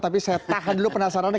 tapi saya tahan dulu penasarannya